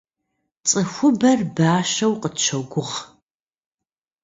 Цӏыхубэр бащэу къытщогугъ.